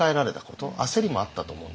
焦りもあったと思うんですけどね。